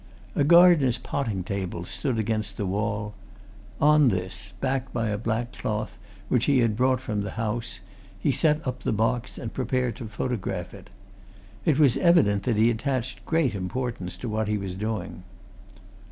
A gardener's potting table stood against the wall; on this, backed by a black cloth which he had brought from the house, he set up the box and prepared to photograph it. It was evident that he attached great importance to what he was doing.